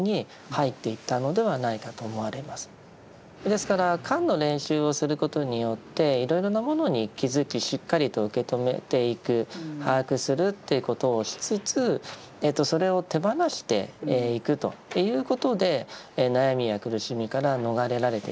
ですから「観」の練習をすることによっていろいろなものに気づきしっかりと受け止めていく把握するということをしつつそれを手放していくということで悩みや苦しみから逃れられていくんだろうなと。